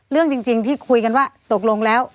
เรื่องจริงที่คุยกันว่าตกลงแล้ว